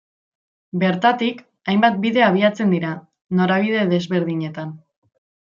Bertatik, hainbat bide abiatzen dira, norabide desberdinetan.